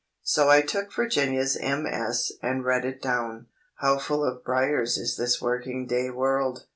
So I took Virginia's MS. and read it down. "How full of briars is this working day world."